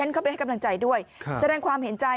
เข้าไปให้กำลังใจด้วยแสดงความเห็นใจ